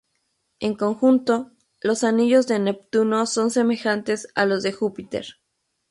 En conjunto, los anillos de Neptuno son semejantes a los de Júpiter.